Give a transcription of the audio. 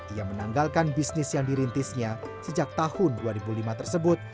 ia menanggalkan bisnis yang dirintisnya sejak tahun dua ribu lima tersebut